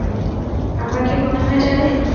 আমার কী মনে হয় জানেন?